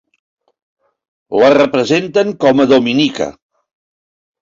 La representen com a "Dominica".